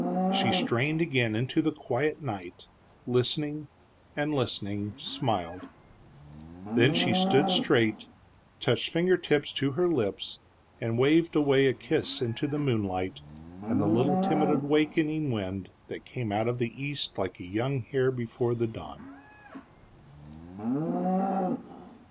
She strained again into the quiet night, listening, and listening, smiled. Then she stood straight, touched finger tips to her lips and waved away a kiss into the moonlight and the little timid awakening wind that came out of the east like a young hare before the dawn.